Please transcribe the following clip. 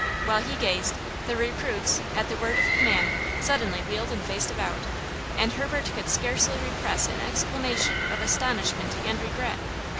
While he gazed, the recruits, at the word of command, suddenly wheeled and faced about. And Herbert could scarcely repress an exclamation of astonishment and regret.